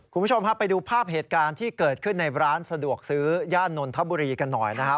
คุณผู้ชมครับไปดูภาพเหตุการณ์ที่เกิดขึ้นในร้านสะดวกซื้อย่านนทบุรีกันหน่อยนะฮะ